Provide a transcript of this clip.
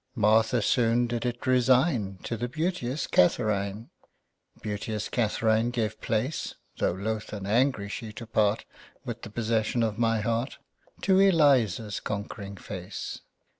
Martha soon did it resign To the beauteous Catharine. Beauteous Catharine gave place (Though loth and angry she to part With the possession of my heart) To Elisa's conquering face.